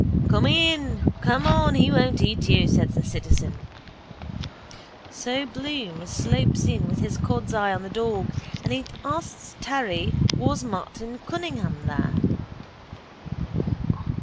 —Come in, come on, he won't eat you, says the citizen. So Bloom slopes in with his cod's eye on the dog and he asks Terry was Martin Cunningham there.